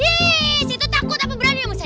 yee situ takut apa berani emang saya